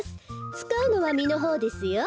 つかうのはみのほうですよ。